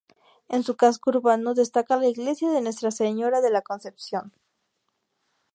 En su casco urbano destaca la iglesia de Nuestra Señora de la Concepción.